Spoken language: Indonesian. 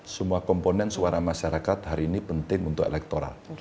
semua komponen suara masyarakat hari ini penting untuk elektoral